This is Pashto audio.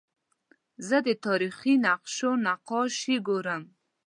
زه د تاریخي نقشو نقاشي ګورم.